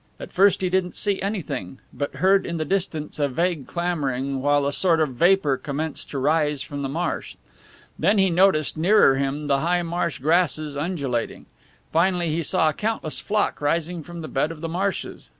At first he didn't see anything, but heard in the distance a vague clamoring while a sort of vapor commenced to rise from the marsh. And then he noticed, nearer him, the high marsh grasses undulating. Finally he saw a countless flock rising from the bed of the marshes.